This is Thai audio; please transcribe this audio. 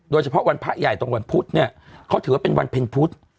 โดยเฉพาะวันพระใหญ่ตรงวันพุธเนี่ยเขาถือว่าเป็นวันเพ็ญพุธ